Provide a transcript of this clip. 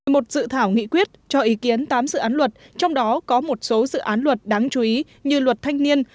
một dự thảo nghị quyết cho ý kiến tám dự án luật trong đó có một số dự án luật đáng chú ý như luật thanh niên